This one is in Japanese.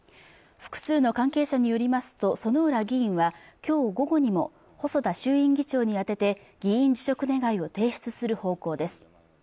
複数の関係者によりますと薗浦議員はきょう午後にも細田衆院議長にあてて議員辞職願を提出する方向です